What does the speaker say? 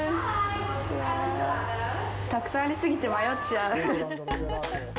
たくさんありすぎて迷っちゃう、ウフフ。